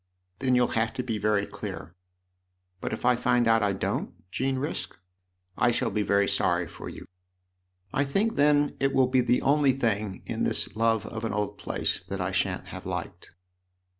" Then you'll have to be very clear." " But if I find out I don't ?" Jean risked. " I shall be very sorry for you !"" I think then it will be the only thing in this love of an old place that I shan't have liked."